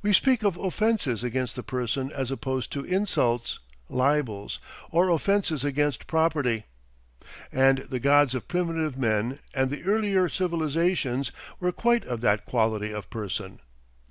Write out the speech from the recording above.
We speak of offences against the person as opposed to insults, libels, or offences against property. And the gods of primitive men and the earlier civilisations were quite of that quality of person.